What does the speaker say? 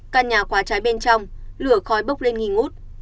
căn nhà khóa cháy bên trong lửa khói bốc lên nghi ngút